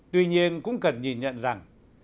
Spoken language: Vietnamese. tuy nhiên cũng cần nhìn nhận rằng